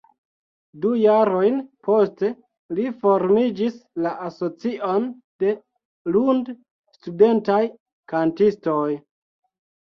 Du jarojn poste li formis la Asocion de Lund-Studentaj Kantistoj.